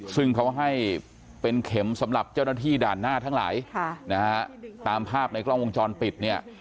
ซึ่งเขาให้เป็นเข็มสำหรับเจ้าหน้าที่ด่านหน้าทั้งหลายตามภาพในกล้องวงจรปิดเนี่ย